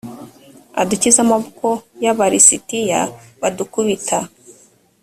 adukize amaboko y abalisitiya badukubita